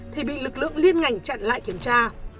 thì bị lực lượng liên ngành chặn lại kiểm tra